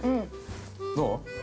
どう？